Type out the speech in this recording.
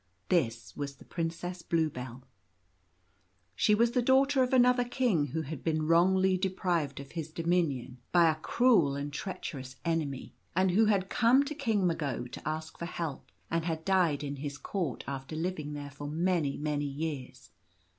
This was the Prin cess Bluebell. She was the daughter of another king who had been wrongfully deprived of his dominion by a Princess Bluebell. \j cruel and treacherous enemy, and who had come to King Mago to ask for help and had died in his Court after living there for many, many years.